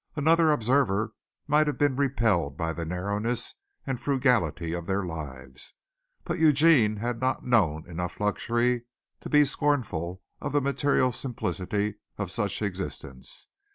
Another observer might have been repelled by the narrowness and frugality of their lives. But Eugene had not known enough of luxury to be scornful of the material simplicity of such existence.